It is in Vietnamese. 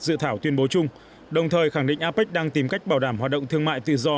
dự thảo tuyên bố chung đồng thời khẳng định apec đang tìm cách bảo đảm hoạt động thương mại tự do